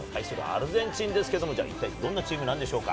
アルゼンチンは一体どんなチームなんでしょうか？